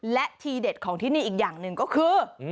และทีเด็ดของที่นี่อีกอย่างหนึ่งก็คือ